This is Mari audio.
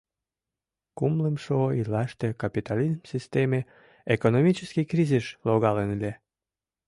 — Кумлымшо ийлаште капитализм системе экономический кризисыш логалын ыле.